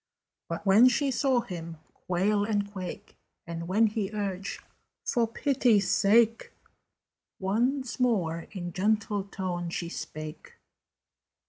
But when she saw him quail and quake, And when he urged "For pity's sake!" Once more in gentle tone she spake.